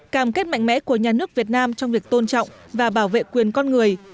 cảm kết mạnh mẽ của nhà nước việt nam trong việc tôn trọng và bảo vệ quyền con người